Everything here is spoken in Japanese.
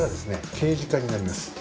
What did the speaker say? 刑事課になります。